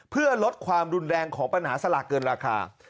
เพื่อลดความรุนแรงของปัญหาสลากเกินราคา